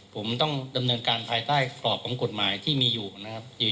ผมต้องดำเนินการภายใต้กรอบของกฎหมายที่มีอยู่นะครับ